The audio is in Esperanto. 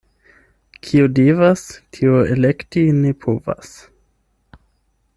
Kiu devas, tiu elekti ne povas.